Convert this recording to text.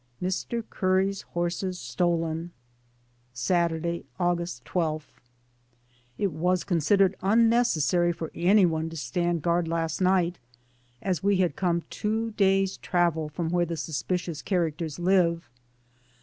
MR. curry's horse STOLEN. Saturday, August 12. It was considered unnecessary for any one to stand guard last night, as we had come two days' travel from where the suspicious characters live.